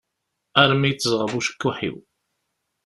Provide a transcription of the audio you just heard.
Armi yettzeɣɣeb ucekkuḥ-iw.